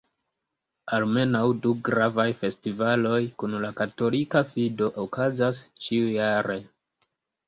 Almenaŭ du gravaj festivaloj kun la katolika fido okazas ĉiujare.